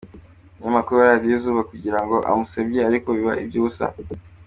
umunyamakuru wa Radio Izuba kugira ngo amusebye ariko biba ibyubusa.